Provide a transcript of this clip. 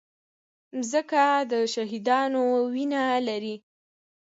مځکه د شهیدانو وینه لري.